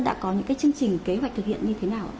đã có những cái chương trình kế hoạch thực hiện như thế nào ạ